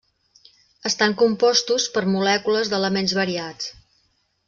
Estan compostos per molècules d'elements variats.